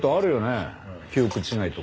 記憶違いとか。